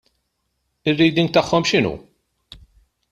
Ir-reading tagħhom x'inhu?